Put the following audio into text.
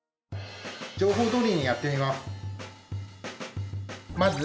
情報どおりにやってみます。